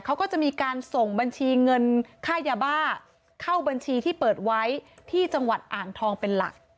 เขาก็จะมีการส่งบัญชีเงินค่ายาบ้าเข้าบัญชีที่เปิดไว้ที่จังหวัดอ่างทองเป็นหลัก